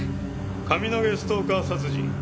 上野毛ストーカー殺人。